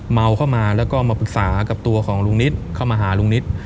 เมาเข้ามาแล้วก็มาปรึกษากับตัวของลุงนิดเข้ามาหาลุงนิต